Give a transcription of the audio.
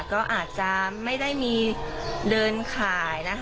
ก็อาจจะไม่ได้มีเดินขายนะคะ